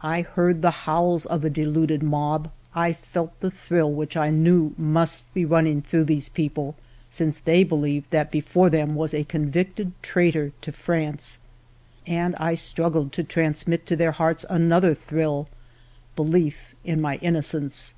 I heard the howls of a deluded mob, I felt the thrill which I knew must be running through those people, since they believed that before them was a convicted traitor to France ; and I struggled to transmit to their hearts another thrill, — belief in my innocence.